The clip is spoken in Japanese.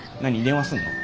電話すんの？